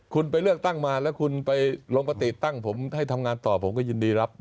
คุณไปเลือกตั้งมาแล้วคุณไปลงปฏิตั้งผมให้ทำงานต่อผมก็ยินดีรับ